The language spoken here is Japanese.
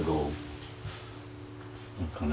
何かね